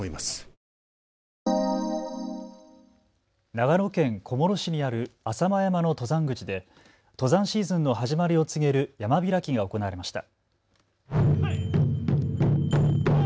長野県小諸市にある浅間山の登山口で登山シーズンの始まりを告げる山開きが行われました。